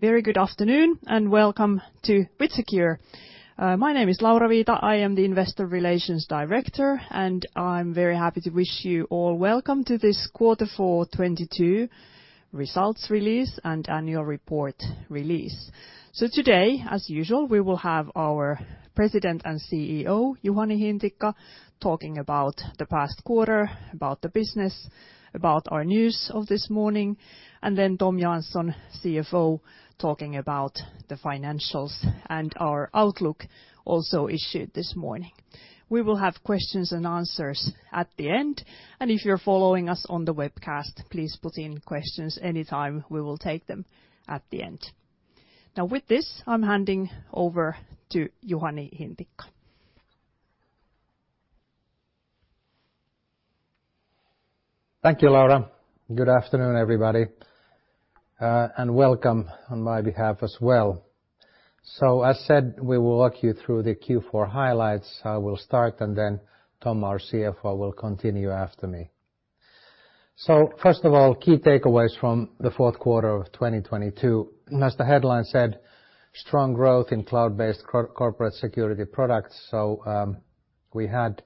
Very good afternoon, welcome to WithSecure. My name is Laura Viita. I am the Investor Relations Director, and I'm very happy to wish you all welcome to this Quarter Four 2022 results release and annual report release. Today, as usual, we will have our President and CEO, Juhani Hintikka, talking about the past quarter, about the business, about our news of this morning, and then Tom Jansson, CFO, talking about the financials and our outlook, also issued this morning. We will have questions and answers at the end, and if you're following us on the webcast, please put in questions anytime. We will take them at the end. Now with this, I'm handing over to Juhani Hintikka. Thank you, Laura. Good afternoon, everybody, and welcome on my behalf as well. As said, we will walk you through the Q4 highlights. I will start, and then Tom, our CFO, will continue after me. First of all, key takeaways from the fourth quarter of 2022. As the headline said, strong growth in cloud-based corporate security products. We had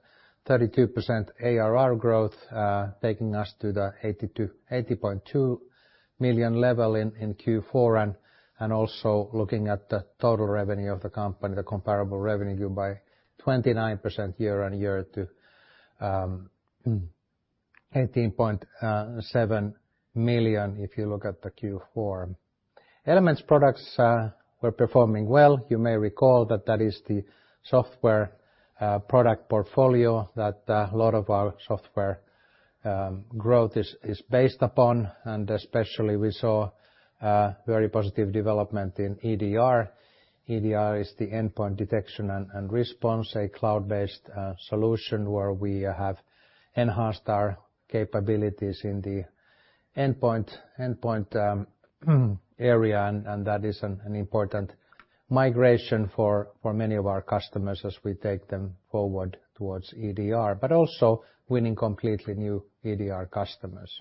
32% ARR growth, taking us to the 80 million-80.2 million level in Q4, and also looking at the total revenue of the company, the comparable revenue by 29% year-on-year to 18.7 million if you look at the Q4. Elements products were performing well. You may recall that that is the software product portfolio that a lot of our software growth is based upon. Especially we saw very positive development in EDR. EDR is the endpoint detection and response, a cloud-based solution where we have enhanced our capabilities in the endpoint area, and that is an important migration for many of our customers as we take them forward towards EDR, but also winning completely new EDR customers.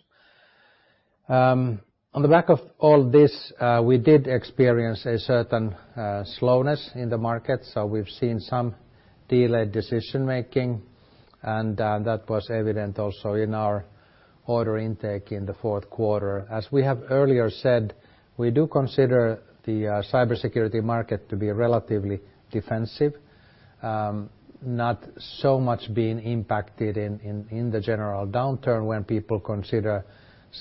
On the back of all this, we did experience a certain slowness in the market, so we've seen some delayed decision-making, and that was evident also in our order intake in the fourth quarter. As we have earlier said, we do consider the cybersecurity market to be relatively defensive, not so much being impacted in the general downturn when people consider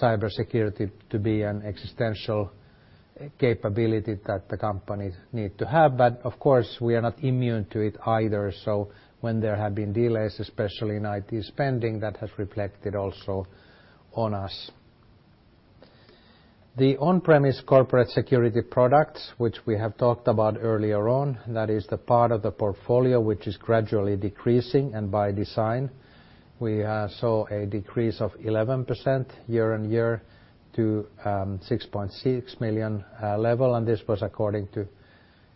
cybersecurity to be an existential capability that the companies need to have. Of course, we are not immune to it either. When there have been delays, especially in IT spending, that has reflected also on us. The on-premise corporate security products, which we have talked about earlier on, that is the part of the portfolio which is gradually decreasing, and by design, we saw a decrease of 11% year-on-year to 6.6 million level, and this was according to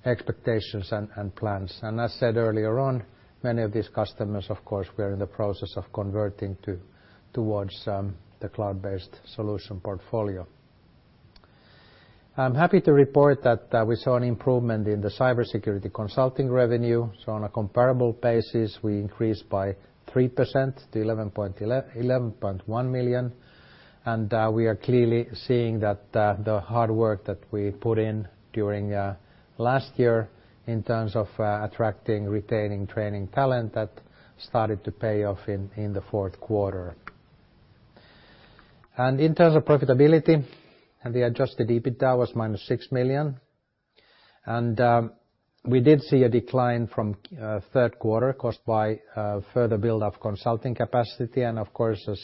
expectations and plans. As said earlier on, many of these customers, of course, we are in the process of converting towards the cloud-based solution portfolio. I'm happy to report that we saw an improvement in the cybersecurity consulting revenue. On a comparable basis, we increased by 3% to 11.1 million. We are clearly seeing that the hard work that we put in during last year in terms of attracting, retaining, training talent that started to pay off in the fourth quarter. In terms of profitability, the Adjusted EBITDA was -6 million. We did see a decline from third quarter caused by further build of consulting capacity. Of course, as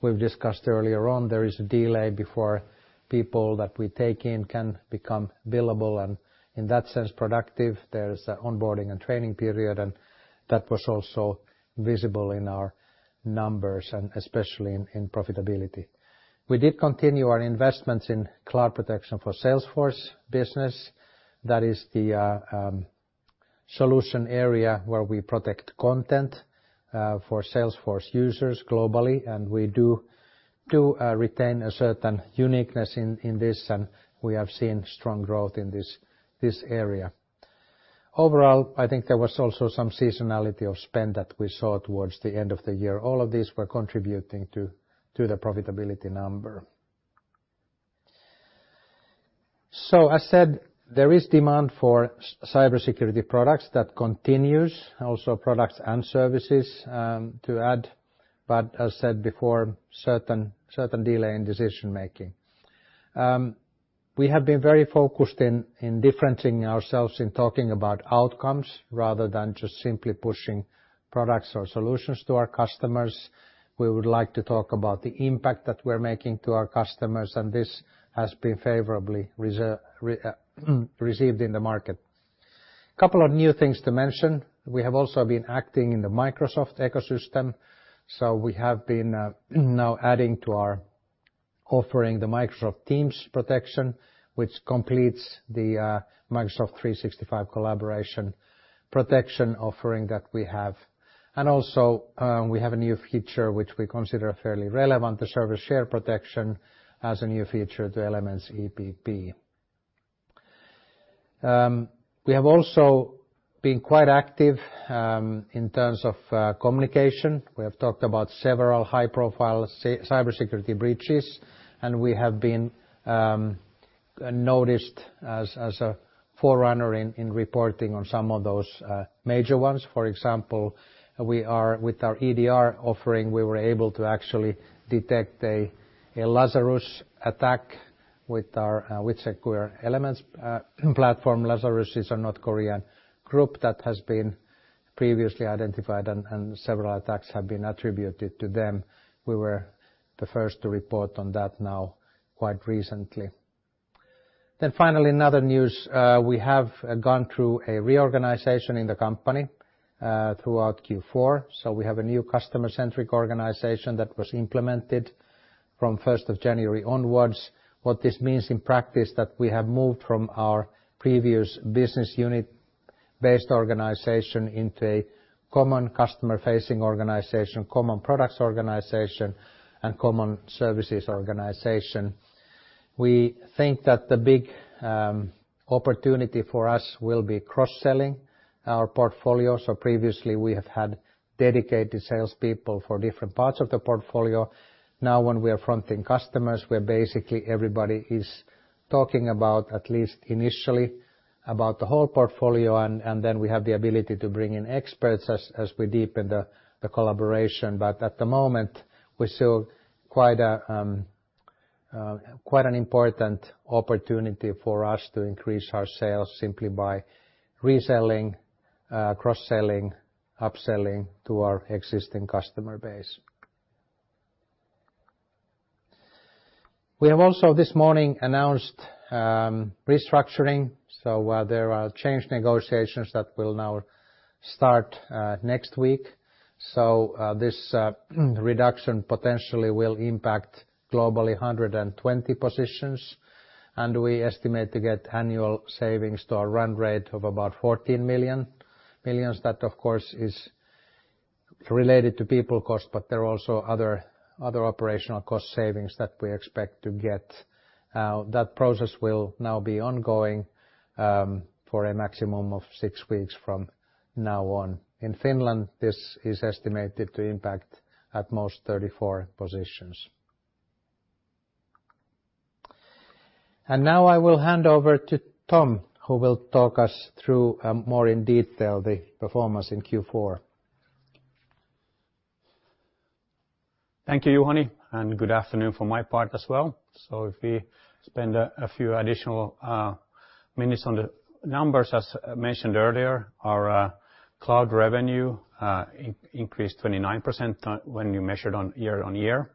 we've discussed earlier on, there is a delay before people that we take in can become billable and in that sense, productive. There's a onboarding and training period, that was also visible in our numbers and especially in profitability. We did continue our investments in Cloud Protection for Salesforce business. That is the solution area where we protect content for Salesforce users globally, and we do retain a certain uniqueness in this, and we have seen strong growth in this area. Overall, I think there was also some seasonality of spend that we saw towards the end of the year. All of these were contributing to the profitability number. As said, there is demand for cybersecurity products that continues, also products and services to add, but as said before, certain delay in decision-making. We have been very focused in differentiating ourselves in talking about outcomes rather than just simply pushing products or solutions to our customers. We would like to talk about the impact that we're making to our customers, and this has been favorably received in the market. Couple of new things to mention. We have also been acting in the Microsoft ecosystem. We have been now adding to our offering the Microsoft Teams protection, which completes the Microsoft 365 collaboration protection offering that we have. Also, we have a new feature which we consider fairly relevant, the Server SharePoint Protection as a new feature to Elements EPP. We have also been quite active in terms of communication. We have talked about several high-profile cybersecurity breaches, and we have been noticed as a forerunner in reporting on some of those major ones. For example, with our EDR offering, we were able to actually detect a Lazarus attack with our WithSecure Elements platform. Lazarus is a North Korean group that has been previously identified and several attacks have been attributed to them. We were the first to report on that now quite recently. Finally, another news. We have gone through a reorganization in the company throughout Q4. We have a new customer-centric organization that was implemented from 1st of January onwards. What this means in practice that we have moved from our previous business unit-based organization into a common customer-facing organization, common products organization, and common services organization. We think that the big opportunity for us will be cross-selling our portfolio. Previously we have had dedicated sales people for different parts of the portfolio. Now when we are fronting customers, where basically everybody is talking about, at least initially, about the whole portfolio and then we have the ability to bring in experts as we deepen the collaboration. At the moment, we see quite an important opportunity for us to increase our sales simply by reselling, cross-selling, upselling to our existing customer base. We have also this morning announced restructuring. There are change negotiations that will now start next week. This reduction potentially will impact globally 120 positions. We estimate to get annual savings to a run rate of about 14 million. That, of course, is related to people cost, but there are also other operational cost savings that we expect to get. That process will now be ongoing for a maximum of six weeks from now on. In Finland, this is estimated to impact at most 34 positions. Now I will hand over to Tom, who will talk us through more in detail the performance in Q4. Thank you, Juhani, good afternoon from my part as well. If we spend a few additional minutes on the numbers. As mentioned earlier, our cloud revenue increased 29% when you measured on year-on-year.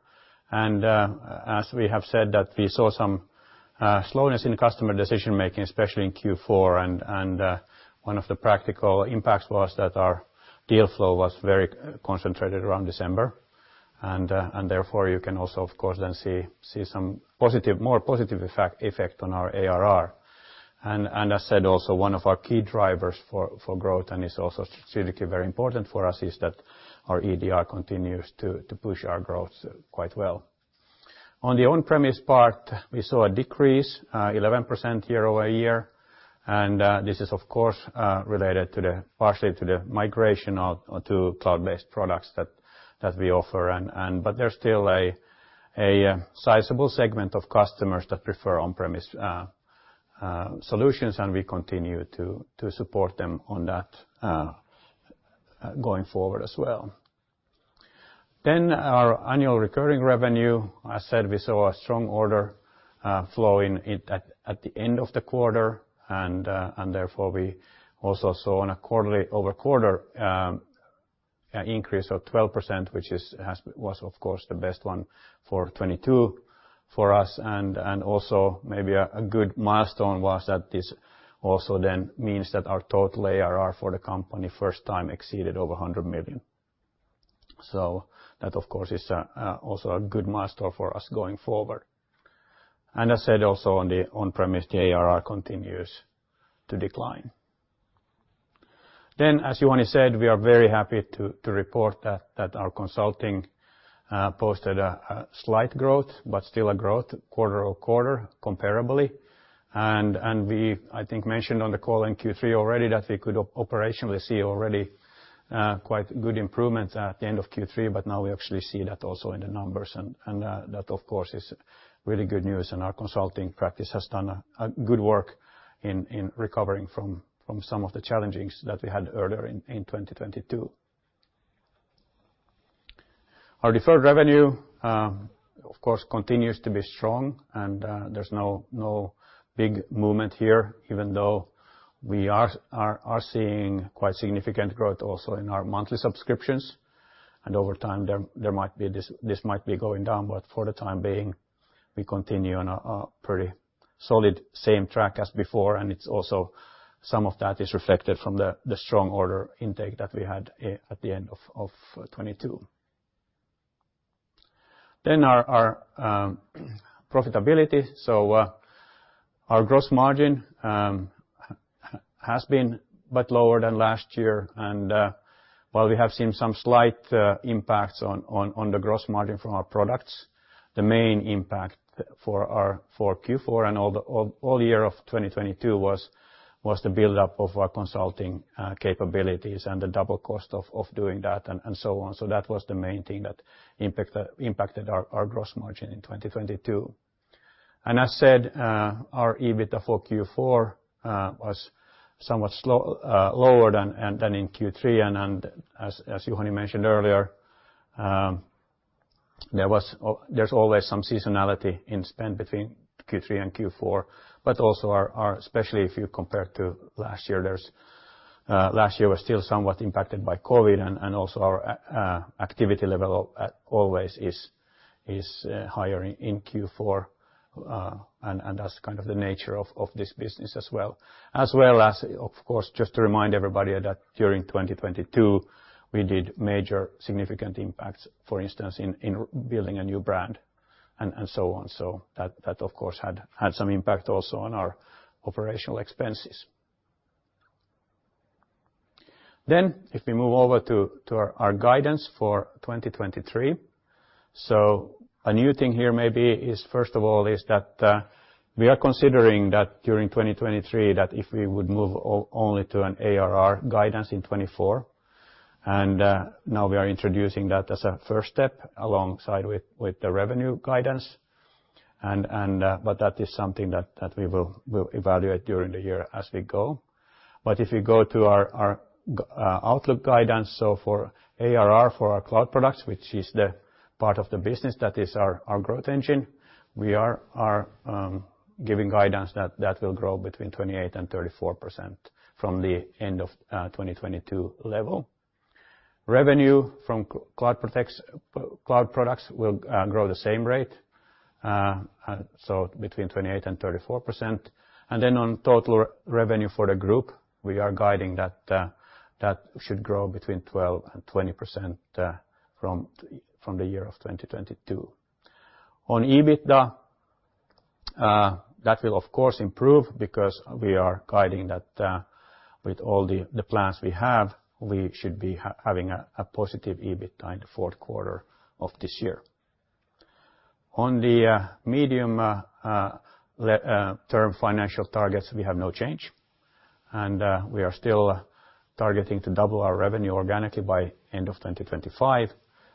As we have said that we saw some slowness in customer decision-making, especially in Q4, and one of the practical impacts was that our deal flow was very concentrated around December. Therefore you can also, of course, then see some positive, more positive effect on our ARR. As said, also one of our key drivers for growth, and it's also strategically very important for us, is that our EDR continues to push our growth quite well. On the on-premise part, we saw a decrease, 11% year-over-year. This is of course related partially to the migration to cloud-based products that we offer. There's still a sizable segment of customers that prefer on-premise solutions, and we continue to support them on that going forward as well. Our annual recurring revenue. I said we saw a strong order flow in it at the end of the quarter, therefore we also saw on a quarterly-over-quarter increase of 12%, which was of course the best one for 2022 for us. Also maybe a good milestone was that this also then means that our total ARR for the company first time exceeded over 100 million. That of course is also a good milestone for us going forward. As said, also on the on-premise, the ARR continues to decline. As Juhani said, we are very happy to report that our consulting posted a slight growth, but still a growth quarter-over-quarter comparably. We, I think, mentioned on the call in Q3 already that we could operationally see already quite good improvement at the end of Q3, but now we actually see that also in the numbers. That of course is really good news, and our consulting practice has done a good work in recovering from some of the challenges that we had earlier in 2022. Our deferred revenue, of course continues to be strong and there's no big movement here, even though we are seeing quite significant growth also in our monthly subscriptions. Over time there might be this might be going down, but for the time being, we continue on a pretty solid same track as before, and it's also, some of that is reflected from the strong order intake that we had at the end of 2022. Our profitability. Our gross margin has been but lower than last year and, while we have seen some slight impacts on the gross margin from our products, the main impact for our, for Q4 and all year of 2022 was the buildup of our consulting capabilities and the double cost of doing that and so on. That was the main thing that impacted our gross margin in 2022. As said, our EBITDA for Q4 was somewhat slow, lower than in Q3 and as Juhani mentioned earlier, there's always some seasonality in spend between Q3 and Q4. Also our, especially if you compare to last year, there's last year was still somewhat impacted by COVID and also our activity level always is higher in Q4. And that's kind of the nature of this business as well. As well as, of course, just to remind everybody that during 2022 we did major significant impacts, for instance, in building a new brand and so on. That of course had some impact also on our operational expenses. If we move over to our guidance for 2023. A new thing here maybe is first of all is that we are considering that during 2023, that if we would move only to an ARR guidance in 2024, now we are introducing that as a first step alongside the revenue guidance. That is something that we will evaluate during the year as we go. If you go to our outlook guidance, for ARR for our cloud products, which is the part of the business that is our growth engine, we are giving guidance that that will grow between 28% and 34% from the end of 2022 level. Revenue from cloud products will grow the same rate. Between 28% and 34%. On total revenue for the group, we are guiding that that should grow between 12% and 20% from the year of 2022. On EBITDA, that will of course improve because we are guiding that with all the plans we have, we should be having a positive EBITDA in the fourth quarter of this year. On the medium-term financial targets, we have no change. We are still targeting to double our revenue organically by end of 2025.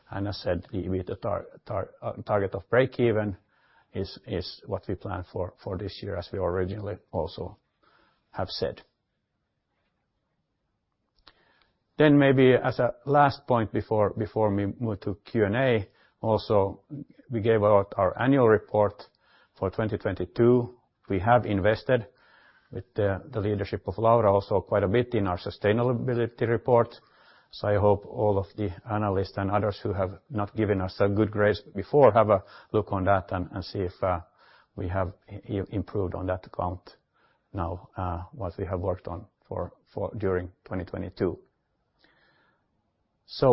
As said, the EBITDA target of break even is what we plan for this year as we originally also have said. Maybe as a last point before we move to Q&A also, we gave out our annual report for 2022. We have invested with the leadership of Laura also quite a bit in our sustainability report. I hope all of the analysts and others who have not given us a good grace before have a look on that and see if we have improved on that account now, what we have worked on for during 2022.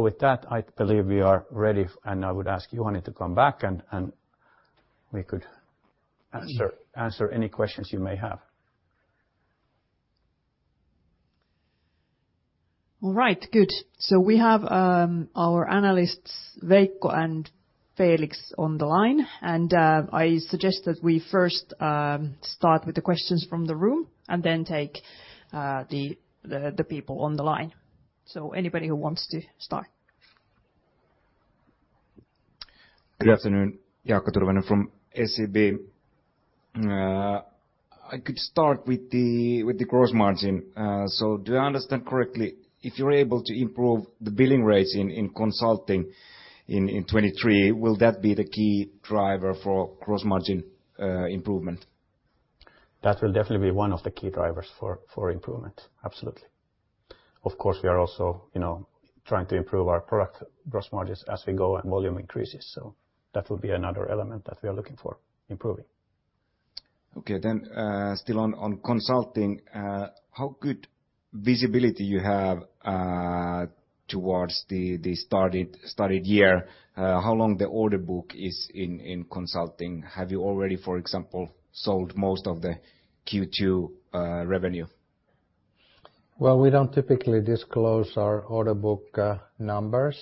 With that, I believe we are ready, and I would ask Juhani to come back and we could answer any questions you may have. All right. Good. We have our analysts, Veikko and Felix, on the line. I suggest that we first start with the questions from the room and then take the people on the line. Anybody who wants to start. Good afternoon. Jaakko Tyrväinen from SEB. I could start with the gross margin. Do I understand correctly, if you're able to improve the billing rates in consulting in 2023, will that be the key driver for gross margin improvement? That will definitely be one of the key drivers for improvement. Absolutely. Of course, we are also, you know, trying to improve our product gross margins as we go and volume increases. That will be another element that we are looking for improving. Okay. still on consulting, how good visibility you have towards the started year, how long the order book is in consulting? Have you already, for example, sold most of the Q2 revenue? Well, we don't typically disclose our order book numbers.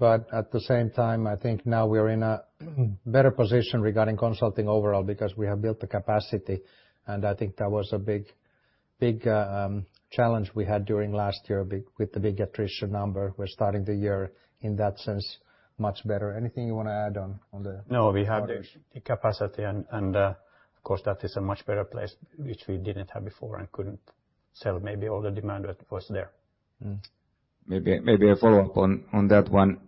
At the same time, I think now we are in a better position regarding consulting overall because we have built the capacity, and I think that was a big challenge we had during last year with the big attrition number. We're starting the year in that sense much better. Anything you wanna add on the orders? No, we have the capacity and of course that is a much better place, which we didn't have before and couldn't sell maybe all the demand that was there. Maybe a follow-up on that one.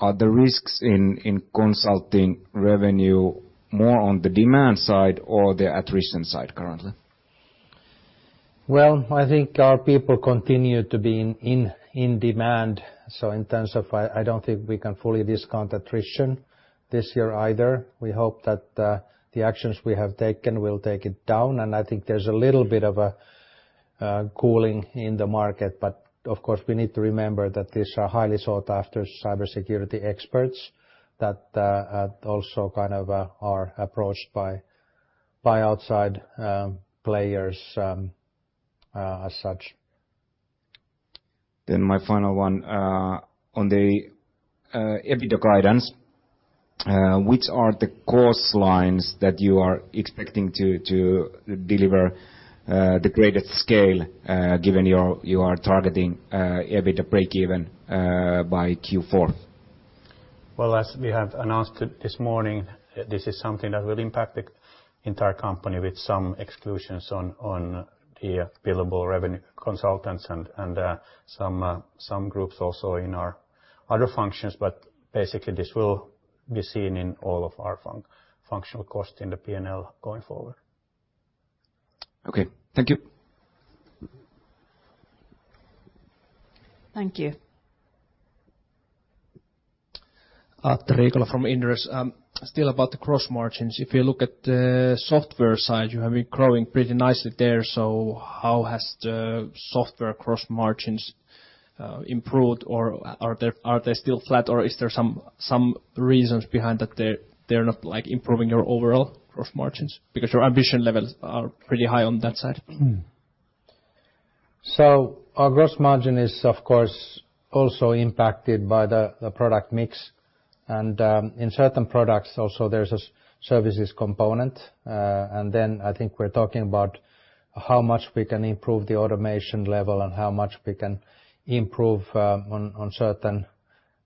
Are the risks in consulting revenue more on the demand side or the attrition side currently? I think our people continue to be in demand, so in terms of I don't think we can fully discount attrition this year either. We hope that the actions we have taken will take it down. I think there's a little bit of a cooling in the market. Of course, we need to remember that these are highly sought after cybersecurity experts that also kind of are approached by outside players as such. My final one, on the EBITDA guidance, which are the cost lines that you are expecting to deliver, the greatest scale, given you are targeting, EBITDA breakeven, by Q4? Well, as we have announced this morning, this is something that will impact the entire company with some exclusions on the billable revenue consultants and some groups also in our other functions, but basically this will be seen in all of our functional costs in the P&L going forward. Okay. Thank you. Thank you. Atte Riikola from Inderes. Still about the gross margins. If you look at the software side, you have been growing pretty nicely there, how has the software gross margins improved or are they still flat or is there some reasons behind that they're not, like, improving your overall gross margins? Your ambition levels are pretty high on that side. Our gross margin is, of course, also impacted by the product mix, and in certain products also there's a services component, and then I think we're talking about how much we can improve the automation level and how much we can improve on certain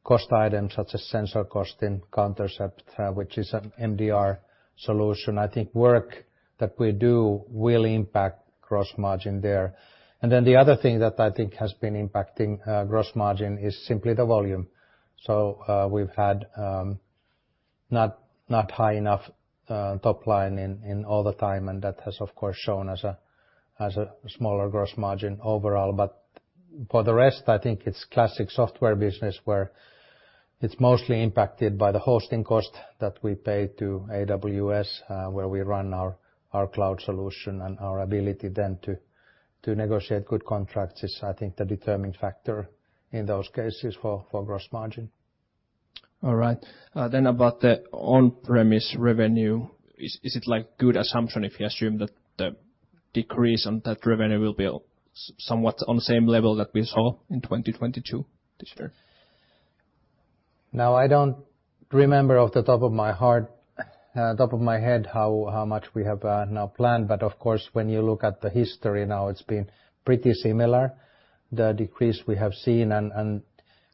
cost items such as sensor cost in Countercept, which is an MDR solution. I think work that we do will impact gross margin there. The other thing that I think has been impacting gross margin is simply the volume. We've had not high enough top line in all the time, and that has of course shown as a smaller gross margin overall. For the rest, I think it's classic software business where it's mostly impacted by the hosting cost that we pay to AWS, where we run our cloud solution and our ability then to negotiate good contracts is, I think, the determining factor in those cases for gross margin. All right. About the on-premise revenue. Is it like good assumption if you assume that the decrease on that revenue will be somewhat on the same level that we saw in 2022 this year? Now, I don't remember off the top of my heart, top of my head how much we have now planned, but of course when you look at the history now, it's been pretty similar, the decrease we have seen.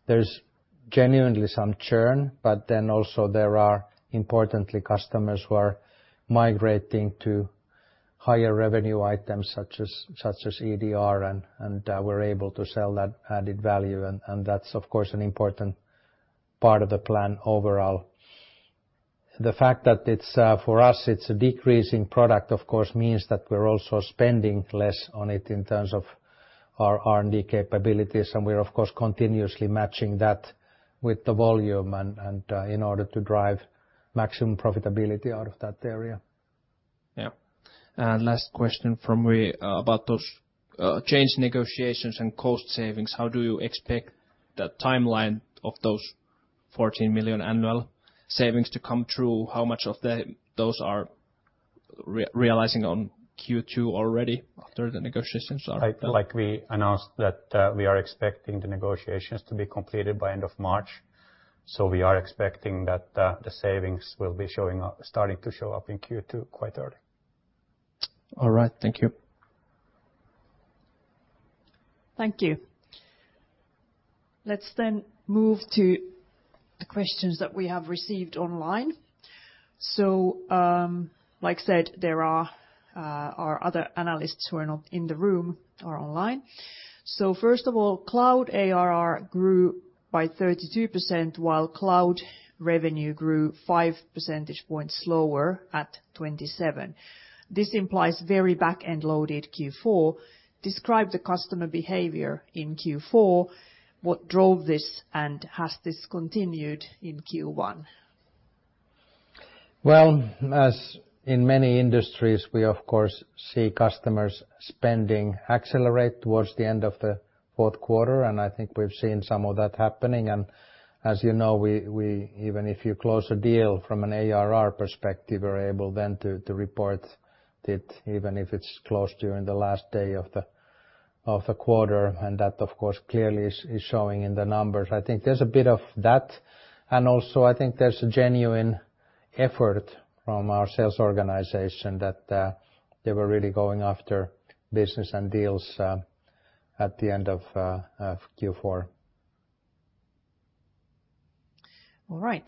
There's genuinely some churn, but then also there are importantly customers who are migrating to higher revenue items such as EDR, we're able to sell that added value, that's of course an important part of the plan overall. The fact that it's for us it's a decreasing product of course means that we're also spending less on it in terms of our R&D capabilities, and we're of course continuously matching that with the volume in order to drive maximum profitability out of that area. Yeah. Last question from me about those change negotiations and cost savings. How do you expect the timeline of those 14 million annual savings to come through? How much of those are realizing on Q2 already after the negotiations are done? Like we announced that we are expecting the negotiations to be completed by end of March, we are expecting that the savings will be showing up, starting to show up in Q2 quite early. All right. Thank you. Thank you. Let's then move to the questions that we have received online. Like I said, there are our other analysts who are not in the room are online. First of all, cloud ARR grew by 32% while cloud revenue grew five percentage points slower at 27%. This implies very back-end loaded Q4. Describe the customer behavior in Q4, what drove this, and has this continued in Q1? Well, as in many industries, we of course see customers' spending accelerate towards the end of the fourth quarter. I think we've seen some of that happening. As you know, we even if you close a deal from an ARR perspective, we're able then to report it even if it's closed during the last day of the quarter. That of course clearly is showing in the numbers. I think there's a bit of that. Also I think there's a genuine effort from our sales organization that they were really going after business and deals at the end of Q4. All right.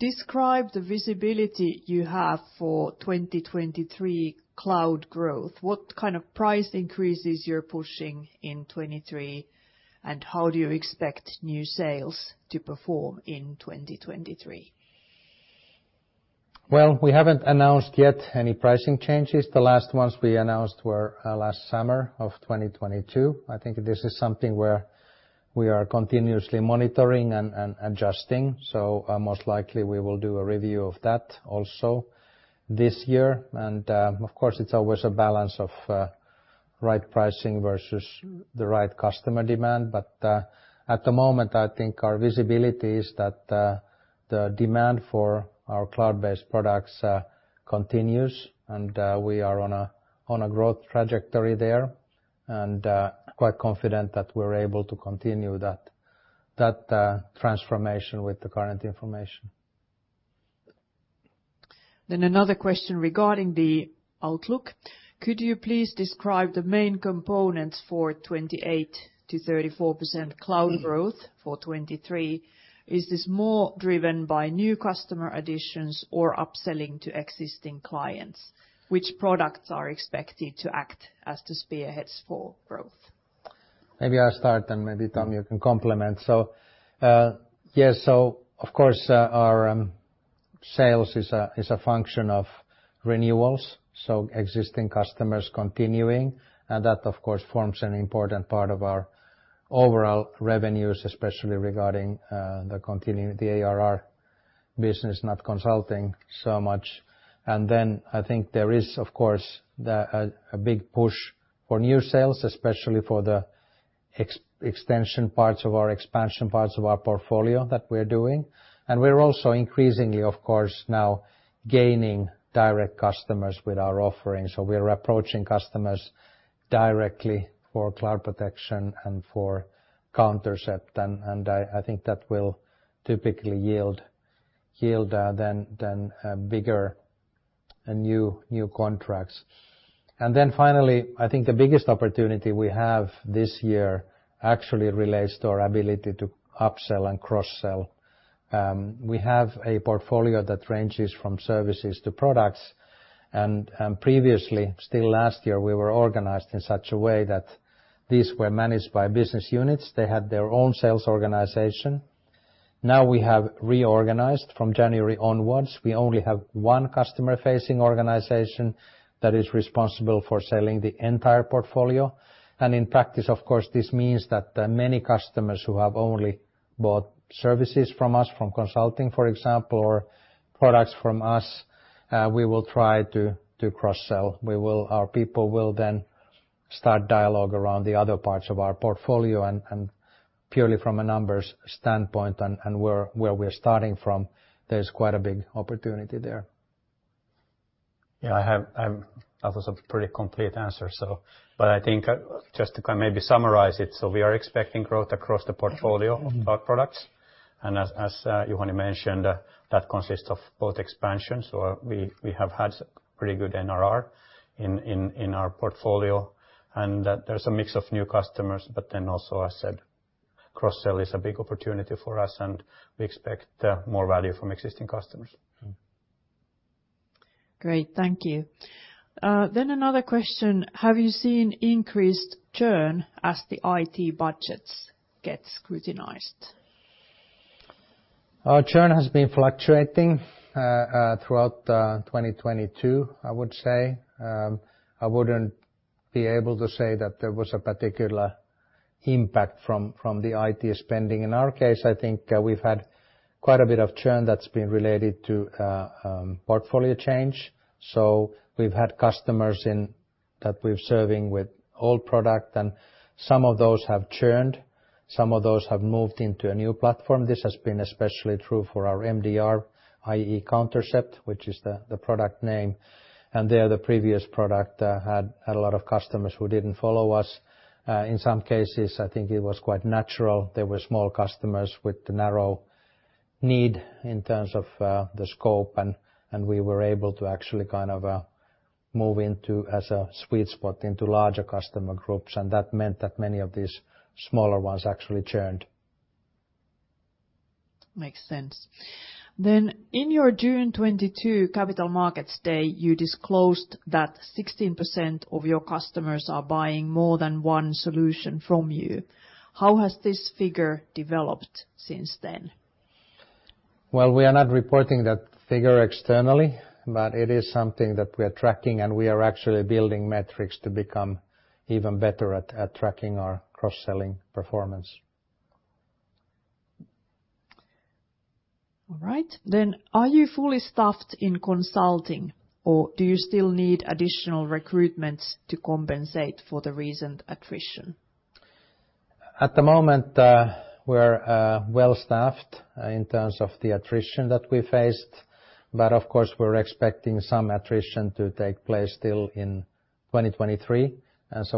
Describe the visibility you have for 2023 cloud growth. What kind of price increases you're pushing in 2023, and how do you expect new sales to perform in 2023? Well, we haven't announced yet any pricing changes. The last ones we announced were last summer of 2022. I think this is something where we are continuously monitoring and adjusting. Most likely we will do a review of that also this year. Of course, it's always a balance of right pricing versus the right customer demand. At the moment, I think our visibility is that the demand for our cloud-based products continues, and we are on a growth trajectory there. Quite confident that we're able to continue that transformation with the current information. Another question regarding the outlook. Could you please describe the main components for 28%-34% cloud growth for 2023? Is this more driven by new customer additions or upselling to existing clients? Which products are expected to act as the spearheads for growth? Maybe I'll start, then maybe Tom can complement. Yes, of course, our sales is a function of renewals, so existing customers continuing. That, of course, forms an important part of our overall revenues, especially regarding the continuing ARR business, not consulting so much. I think there is, of course, a big push for new sales, especially for the extension parts of our expansion parts of our portfolio that we're doing. We're also increasingly, of course, now gaining direct customers with our offerings. We're approaching customers directly for cloud protection and for Countercept, and I think that will typically yield bigger, and new contracts. Finally, I think the biggest opportunity we have this year actually relates to our ability to upsell and cross-sell. We have a portfolio that ranges from services to products, and previously, still last year, we were organized in such a way that these were managed by business units. They had their own sales organization. Now we have reorganized from January onwards. We only have one customer-facing organization that is responsible for selling the entire portfolio. In practice, of course, this means that many customers who have only bought services from us, from consulting, for example, or products from us, we will try to cross-sell. Our people will then start dialogue around the other parts of our portfolio and purely from a numbers standpoint and where we're starting from, there's quite a big opportunity there. Yeah, I have, that was a pretty complete answer, so, but I think just to maybe summarize it, so we are expecting growth across the portfolio. Mm-hmm... of our products. As Juhani mentioned, that consists of both expansions, so we have had pretty good NRR in our portfolio, and that there's a mix of new customers. Also, as said, cross-sell is a big opportunity for us, and we expect more value from existing customers. Mm. Great. Thank you. Another question. Have you seen increased churn as the IT budgets get scrutinized? Our churn has been fluctuating throughout 2022, I would say. I wouldn't be able to say that there was a particular impact from the IT spending. In our case, I think, we've had quite a bit of churn that's been related to portfolio change. We've had customers in, that we're serving with old product, and some of those have churned, some of those have moved into a new platform. This has been especially true for our MDR, i.e. Countercept, which is the product name, and they are the previous product, had a lot of customers who didn't follow us. In some cases, I think it was quite natural. There were small customers with narrow need in terms of, the scope, and we were able to actually kind of, move into as a sweet spot into larger customer groups, and that meant that many of these smaller ones actually churned. Makes sense. In your June 2022 Capital Markets Day, you disclosed that 16% of your customers are buying more than one solution from you. How has this figure developed since then? We are not reporting that figure externally, but it is something that we are tracking, and we are actually building metrics to become even better at tracking our cross-selling performance. All right. Are you fully staffed in consulting, or do you still need additional recruitments to compensate for the recent attrition? At the moment, we're well-staffed in terms of the attrition that we faced. Of course, we're expecting some attrition to take place still in 2023.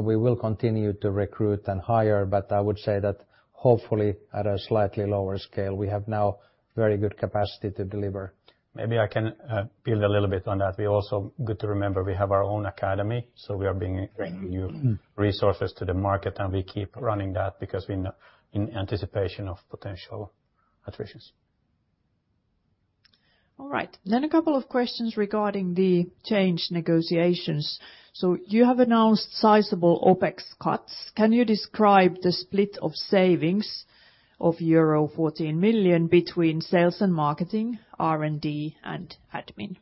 We will continue to recruit and hire. I would say that hopefully at a slightly lower scale, we have now very good capacity to deliver. Maybe I can build a little bit on that. We also, good to remember, we have our own academy, so we are. Right. Mm-hmm.... new resources to the market, and we keep running that because we know in anticipation of potential attritions. All right. A couple of questions regarding the change negotiations. You have announced sizable OpEx cuts. Can you describe the split of savings of euro 14 million between sales and marketing, R&D, and admin?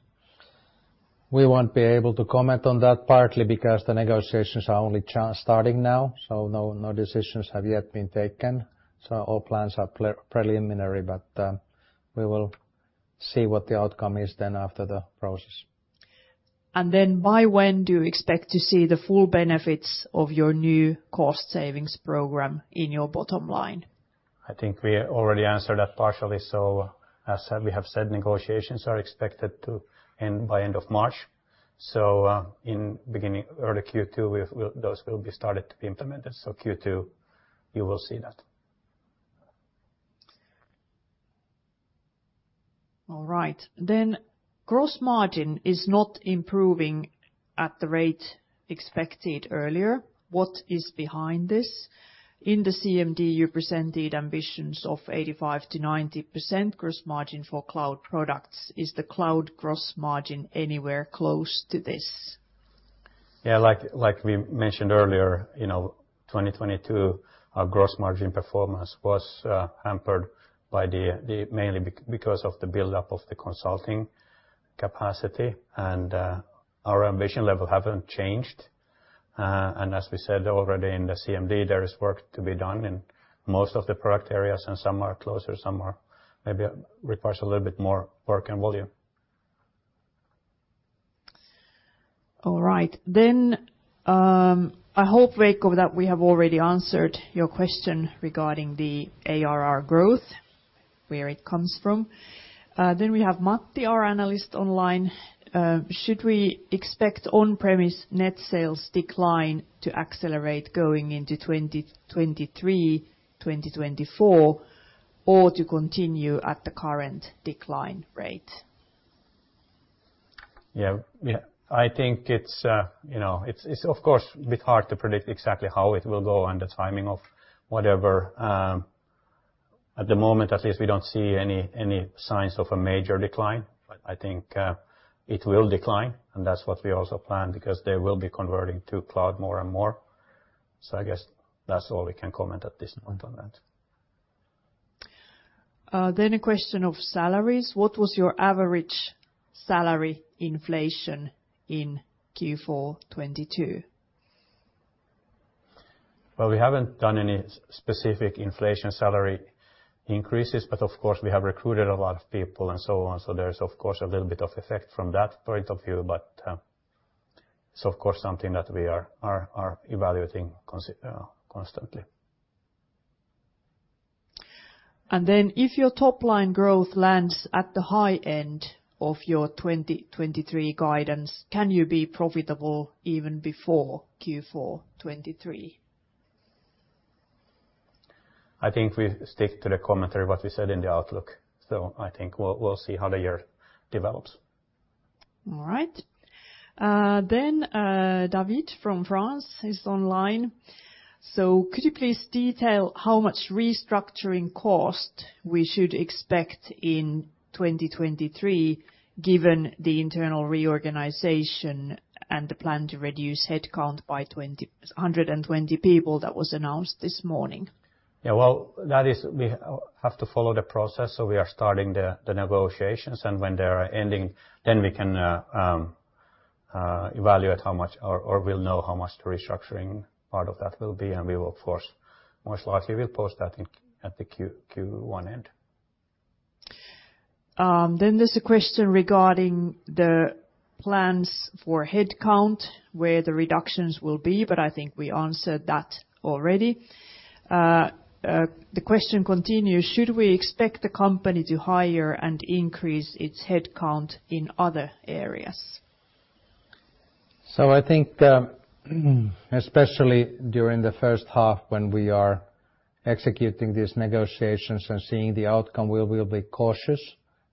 We won't be able to comment on that partly because the negotiations are only starting now, so no decisions have yet been taken, so all plans are preliminary. We will see what the outcome is then after the process. By when do you expect to see the full benefits of your new cost savings program in your bottom line? I think we already answered that partially. As we have said, negotiations are expected to end by end of March. In early Q2, we those will be started to be implemented. Q2 you will see that. All right. Gross margin is not improving at the rate expected earlier. What is behind this? In the CMD, you presented ambitions of 85%-90% gross margin for cloud products. Is the cloud gross margin anywhere close to this? Yeah, like we mentioned earlier, you know, 2022, our gross margin performance was hampered mainly because of the buildup of the consulting capacity. Our ambition level haven't changed. As we said already in the CMD, there is work to be done in most of the product areas, and some are closer, some are maybe requires a little bit more work and volume. All right. I hope, Veikko, that we have already answered your question regarding the ARR growth, where it comes from. We have Matthew, our analyst online. Should we expect on-premise net sales decline to accelerate going into 2023, 2024, or to continue at the current decline rate? Yeah. Yeah. I think it's, you know, it's of course a bit hard to predict exactly how it will go and the timing of whatever. At the moment at least we don't see any signs of a major decline. I think it will decline, and that's what we also plan, because they will be converting to cloud more and more. I guess that's all we can comment at this point on that. A question of salaries. What was your average salary inflation in Q4 2022? Well, we haven't done any specific inflation salary increases, but of course we have recruited a lot of people and so on, so there's of course a little bit of effect from that point of view. It's of course something that we are evaluating constantly. If your top-line growth lands at the high end of your 2023 guidance, can you be profitable even before Q4 2023? I think we stick to the commentary what we said in the outlook. I think we'll see how the year develops. All right. David from France is online. Could you please detail how much restructuring cost we should expect in 2023, given the internal reorganization and the plan to reduce headcount by 120 people that was announced this morning? Yeah. Well, we have to follow the process, so we are starting the negotiations. When they are ending, then we can evaluate how much or we'll know how much the restructuring part of that will be, and we will of course, most likely we'll post that at the Q1 end. There's a question regarding the plans for headcount, where the reductions will be, but I think we answered that already. The question continues: Should we expect the company to hire and increase its headcount in other areas? I think, especially during the first half when we are executing these negotiations and seeing the outcome, we will be cautious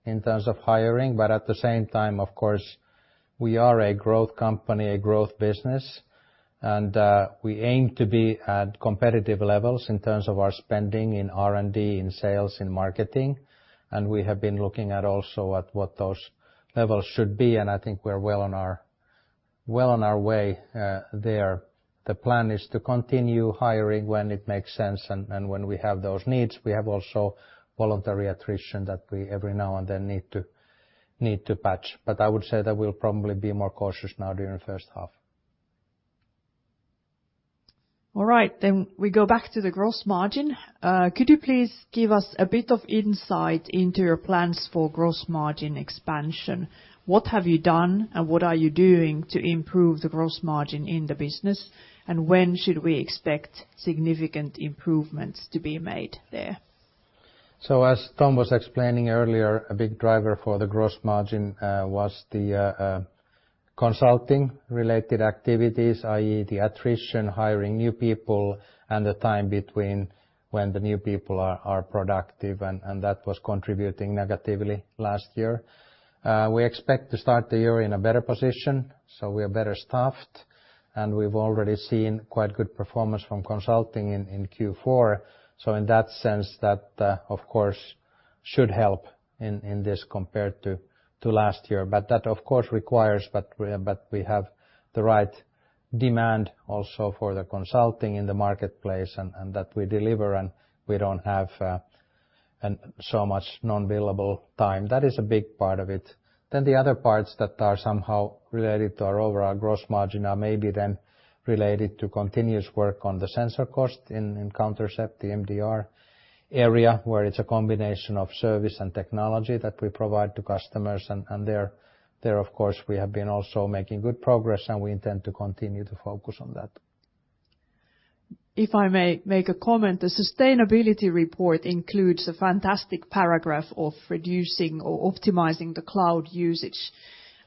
in terms of hiring. At the same time, of course, we are a growth company, a growth business, and we aim to be at competitive levels in terms of our spending in R&D, in sales, in marketing, and we have been looking at also at what those levels should be, and I think we're well on our way there. The plan is to continue hiring when it makes sense and when we have those needs. We have also voluntary attrition that we every now and then need to patch. I would say that we'll probably be more cautious now during the first half. All right. We go back to the gross margin. Could you please give us a bit of insight into your plans for gross margin expansion? What have you done and what are you doing to improve the gross margin in the business, and when should we expect significant improvements to be made there? As Tom was explaining earlier, a big driver for the gross margin was the consulting-related activities, i.e., the attrition, hiring new people, and the time between when the new people are productive, and that was contributing negatively last year. We expect to start the year in a better position, so we are better staffed, and we've already seen quite good performance from consulting in Q4. In that sense, that of course should help in this compared to last year. That of course requires that we have the right demand also for the consulting in the marketplace and that we deliver and we don't have so much non-billable time. That is a big part of it. The other parts that are somehow related to our overall gross margin are maybe then related to continuous work on the sensor cost in Countercept, the MDR area, where it's a combination of service and technology that we provide to customers. There, of course, we have been also making good progress, and we intend to continue to focus on that. If I may make a comment, the sustainability report includes a fantastic paragraph of reducing or optimizing the cloud usage,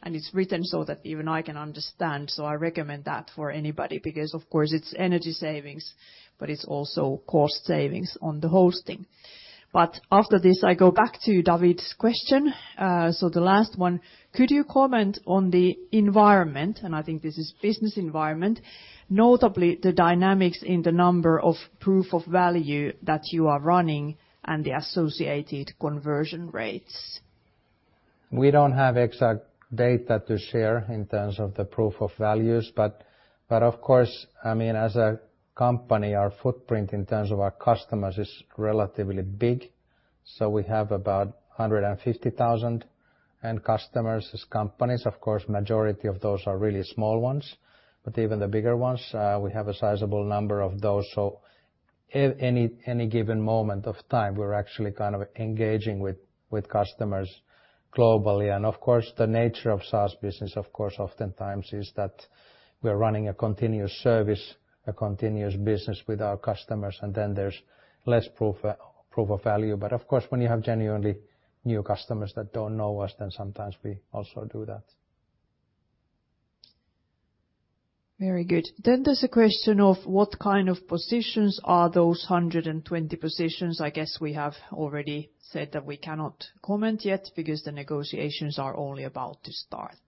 and it's written so that even I can understand. I recommend that for anybody because, of course, it's energy savings, but it's also cost savings on the hosting. After this, I go back to David's question, so the last one. Could you comment on the environment, and I think this is business environment, notably the dynamics in the number of proof of value that you are running and the associated conversion rates? We don't have exact data to share in terms of the proof of values, but of course, I mean, as a company our footprint in terms of our customers is relatively big, so we have about 150,000 end customers as companies. Of course, majority of those are really small ones. Even the bigger ones, we have a sizable number of those. So any given moment of time we're actually kind of engaging with customers globally. Of course, the nature of SaaS business, of course, oftentimes is that we're running a continuous service, a continuous business with our customers, and then there's less proof of value. Of course, when you have genuinely new customers that don't know us, then sometimes we also do that. Very good. There's a question of what kind of positions are those 120 positions. I guess we have already said that we cannot comment yet because the negotiations are only about to start.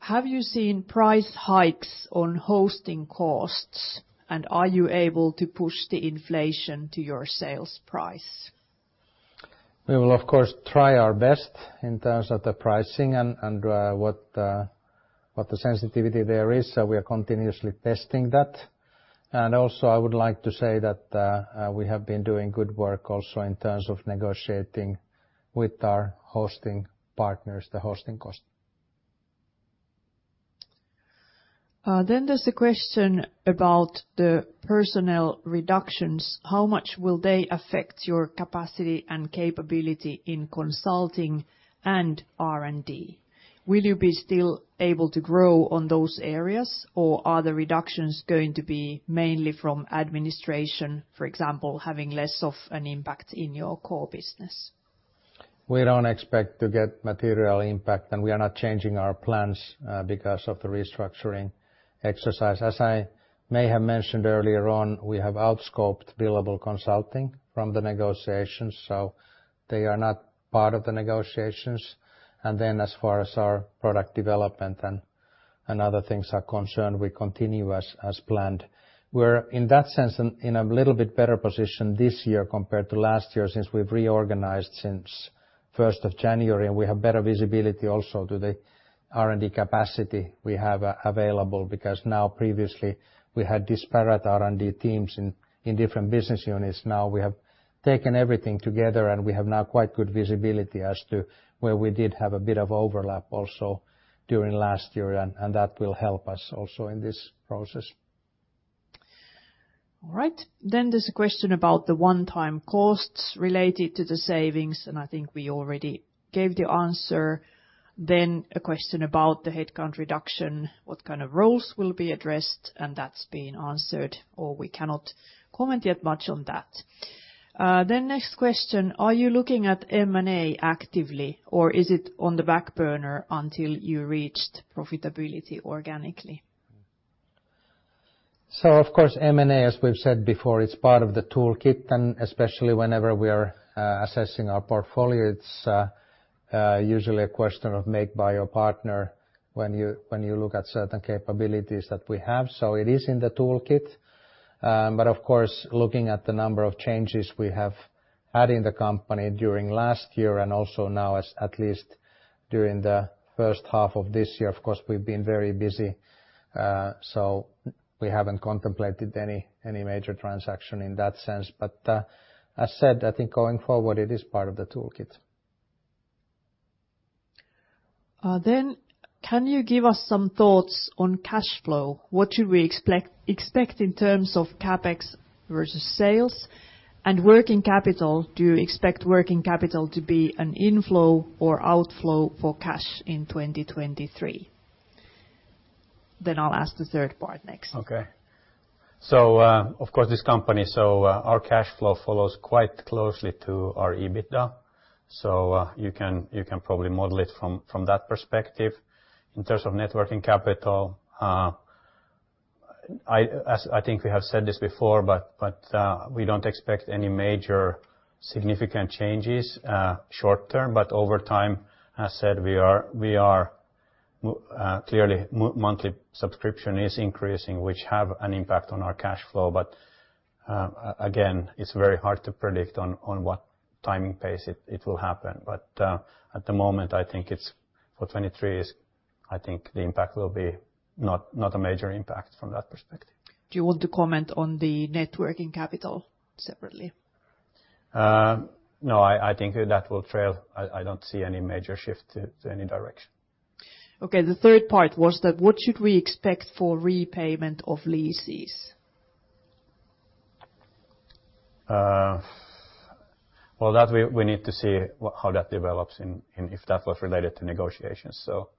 Have you seen price hikes on hosting costs, and are you able to push the inflation to your sales price? We will of course try our best in terms of the pricing and what the sensitivity there is. We are continuously testing that. Also I would like to say that we have been doing good work also in terms of negotiating with our hosting partners the hosting cost. There's the question about the personnel reductions. How much will they affect your capacity and capability in consulting and R&D? Will you be still able to grow on those areas, or are the reductions going to be mainly from administration, for example, having less of an impact in your core business? We don't expect to get material impact. We are not changing our plans because of the restructuring exercise. As I may have mentioned earlier on, we have out scoped billable consulting from the negotiations, so they are not part of the negotiations. As far as our product development and other things are concerned, we continue as planned. We're, in that sense, in a little bit better position this year compared to last year since we've reorganized since 1st of January and we have better visibility also to the R&D capacity we have available because now previously we had disparate R&D teams in different business units. Now we have taken everything together, and we have now quite good visibility as to where we did have a bit of overlap also during last year and that will help us also in this process. All right. There's a question about the one-time costs related to the savings, and I think we already gave the answer. A question about the headcount reduction, what kind of roles will be addressed, and that's been answered or we cannot comment yet much on that. Next question, are you looking at M&A actively or is it on the back burner until you reached profitability organically? Of course M&A as we've said before it's part of the toolkit and especially whenever we are assessing our portfolio it's usually a question of make by your partner when you, when you look at certain capabilities that we have. It is in the toolkit. Of course, looking at the number of changes we have had in the company during last year and also now as at least during the first half of this year, of course, we've been very busy. We haven't contemplated any major transaction in that sense. As said, I think going forward it is part of the toolkit. Can you give us some thoughts on cash flow? What should we expect in terms of CapEx versus sales? Working capital, do you expect working capital to be an inflow or outflow for cash in 2023? I'll ask the third part next. Okay. Of course, this company, so our cash flow follows quite closely to our EBITDA. You can probably model it from that perspective. In terms of net working capital, as I think we have said this before, but we don't expect any major significant changes short term. Over time, as said, we are clearly monthly subscription is increasing, which have an impact on our cash flow. Again, it's very hard to predict on what timing pace it will happen. At the moment, I think it's for 2023 is I think the impact will be not a major impact from that perspective. Do you want to comment on the net working capital separately? No, I think that will trail. I don't see any major shift to any direction. Okay. The third part was that what should we expect for repayment of leases? well, that we need to see how that develops and if that was related to negotiations, so...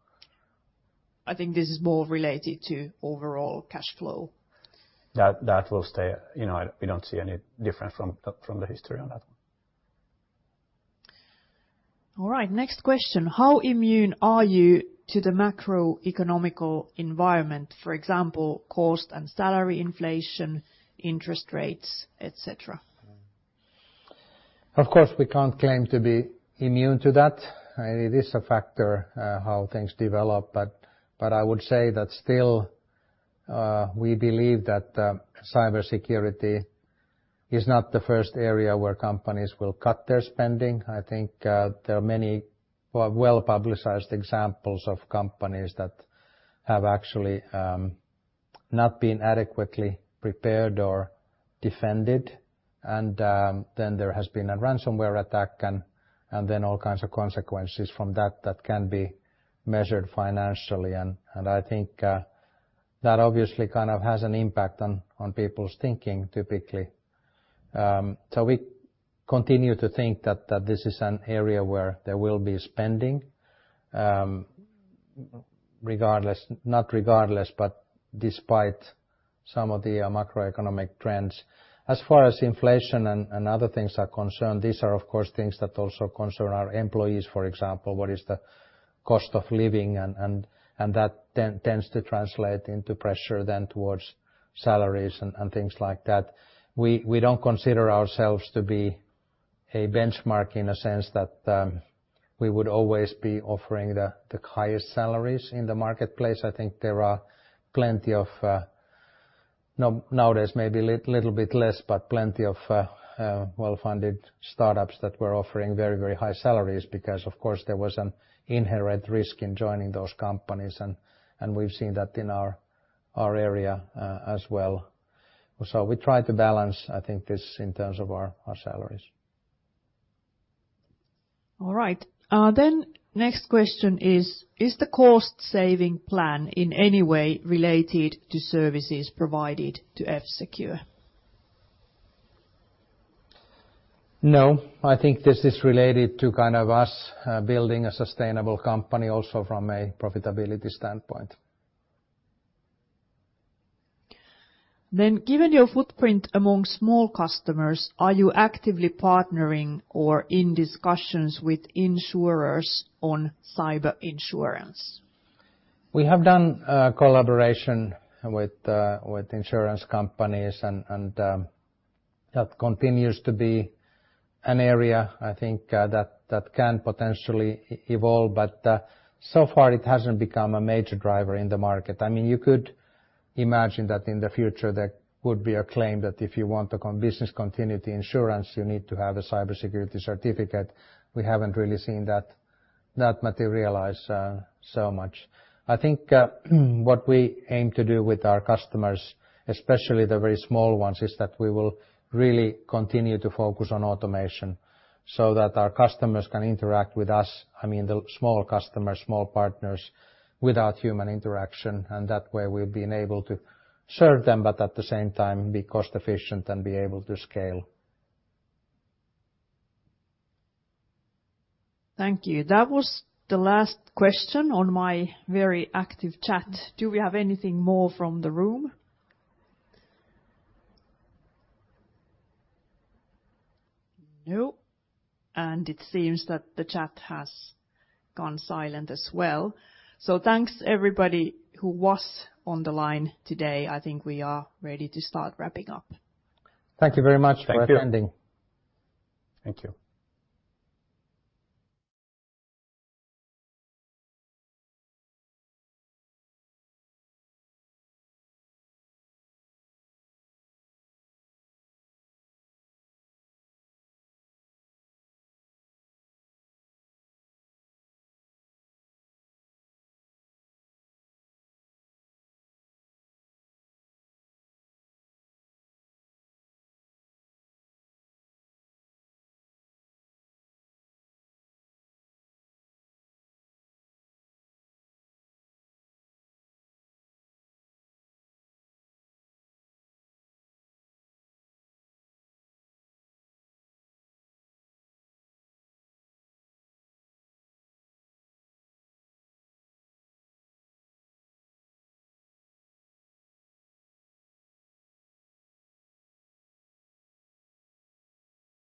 I think this is more related to overall cash flow. That will stay. You know, we don't see any difference from the history on that one. All right. Next question. How immune are you to the macroeconomic environment, for example, cost and salary inflation, interest rates, et cetera? Of course, we can't claim to be immune to that. It is a factor, how things develop, but I would say that still, we believe that cybersecurity is not the first area where companies will cut their spending. I think there are many well-publicized examples of companies that have actually not been adequately prepared or defended, and then there has been a ransomware attack and then all kinds of consequences from that that can be measured financially. I think that obviously kind of has an impact on people's thinking typically. We continue to think that this is an area where there will be spending, not regardless, but despite some of the macroeconomic trends. As far as inflation and other things are concerned, these are of course things that also concern our employees. For example, what is the cost of living and that then tends to translate into pressure then towards salaries and things like that. We don't consider ourselves to be a benchmark in a sense that we would always be offering the highest salaries in the marketplace. I think there are plenty of nowadays maybe little bit less, but plenty of well-funded startups that were offering very, very high salaries because, of course, there was an inherent risk in joining those companies. We've seen that in our area as well. We try to balance, I think, this in terms of our salaries. All right. Next question is, "Is the cost-saving plan in any way related to services provided to F-Secure? No. I think this is related to kind of us building a sustainable company also from a profitability standpoint. Given your footprint among small customers, are you actively partnering or in discussions with insurers on cyber insurance? We have done a collaboration with insurance companies and, that continues to be an area, I think, that can potentially evolve. So far it hasn't become a major driver in the market. I mean, you could imagine that in the future there could be a claim that if you want the business continuity insurance, you need to have a cybersecurity certificate. We haven't really seen that materialize so much. I think, what we aim to do with our customers, especially the very small ones, is that we will really continue to focus on automation so that our customers can interact with us, I mean, the small customers, small partners, without human interaction. That way we've been able to serve them, but at the same time be cost efficient and be able to scale. Thank you. That was the last question on my very active chat. Do we have anything more from the room? No. It seems that the chat has gone silent as well. Thanks everybody who was on the line today. I think we are ready to start wrapping up. Thank you very much for attending. Thank you. Thank you.